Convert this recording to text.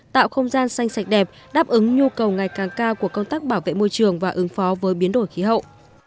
tạo không gian xanh sạch đẹp đáp ứng nhu cầu ngày càng cao của công tác bảo vệ môi trường và ứng phó với biến đổi khí hậu